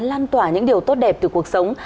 lan tỏa những điều tốt đẹp từ cuộc sống